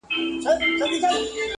چي ده په خپله د اسلام د پيغمبر